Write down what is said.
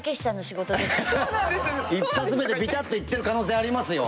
１発目でピタッといってる可能性ありますよ。